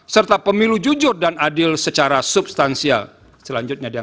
serta pemilu jujur dan adil secara substansial selanjutnya